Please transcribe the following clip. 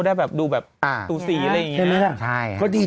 ได้แบบดูแบบตูสีอะไรอย่างนี้